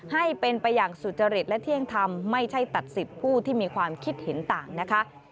ให้เป็นไปอย่างสุจริตและเที่ยงธรรมไม่ใช่ตัดสิทธิ์ผู้ที่มีความคิดเห็นต่างนะคะ